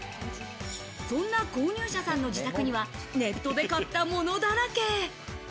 そんな購入者さんの自宅には、ネットで買ったものだらけ。